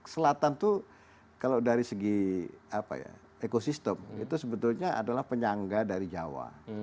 selatan itu kalau dari segi ekosistem itu sebetulnya adalah penyangga dari jawa